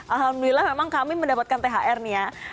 alhamdulillah memang kami mendapatkan thr nih ya